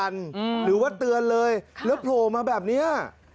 หรือว่าเตือนเลยแล้วโผล่มาแบบนี้